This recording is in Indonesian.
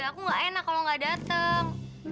aku gak enak kalo gak dateng